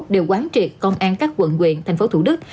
đều quán triệt công an các quận quyện thành phố thủ đức